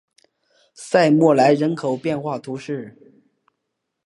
塞默莱人口变化图示